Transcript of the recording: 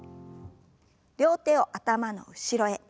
両手を頭の後ろへ。